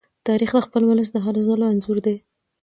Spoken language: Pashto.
تاریخ د خپل ولس د هلو ځلو انځور دی.